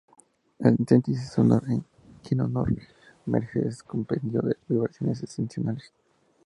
En síntesis, "Honor un Quien Honor Merece", es un compendio de vibraciones excepcionales.